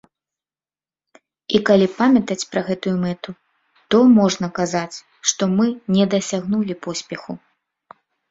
І калі памятаць пра гэтую мэту, то можна казаць, што мы не дасягнулі поспеху.